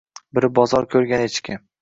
Biri bozor ko‘rgan echki